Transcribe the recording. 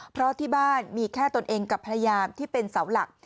เพราะที่บ้านมีแค่ตนเองกับภรรยาที่เป็นเสาหลัก